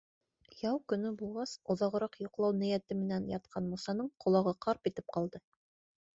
Ял көнө булғас, оҙағыраҡ йоҡлау ниәте менән ятҡан Мусаның ҡолағы ҡарп итеп ҡалды.